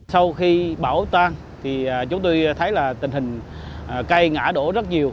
sau khi bão tan chúng tôi thấy tình hình cây ngã đổ rất nhiều